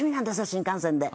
新幹線で。